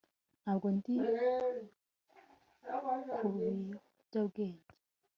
Ntabwo ndi ku biyobyabwenge